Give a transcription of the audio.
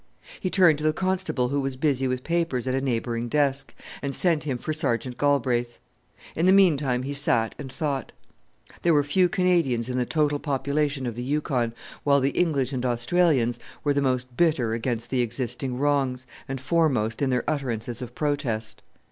He turned to the constable who was busy with papers at a neighbouring desk, and sent him for Sergeant Galbraith. In the meantime he sat and thought. There were few Canadians in the total population of the Yukon, while the English and Australians were the most bitter against the existing wrongs, and foremost in their utterances of protest.